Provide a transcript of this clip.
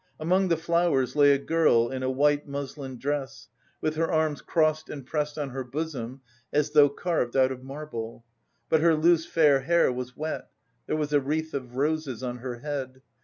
Among the flowers lay a girl in a white muslin dress, with her arms crossed and pressed on her bosom, as though carved out of marble. But her loose fair hair was wet; there was a wreath of roses on her head.